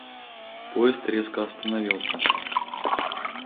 Поезд резко остановился.